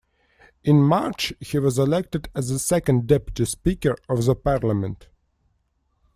In March he was elected as the Second Deputy Speaker of the parliament.